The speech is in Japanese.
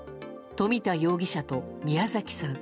冨田容疑者と宮崎さん。